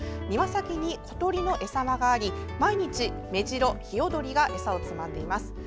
庭先に小鳥の餌場があり毎日、メジロ、ヒヨドリが餌をつまんでいます。